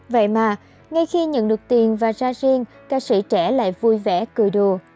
vậy mà ngay khi nhận được tiền và ra riêng ca sĩ trẻ lại vui vẻ cười đồ